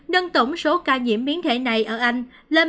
nâng tổng số ca nhiễm biến thể này ở anh lên